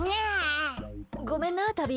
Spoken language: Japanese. ごめんな、タビ。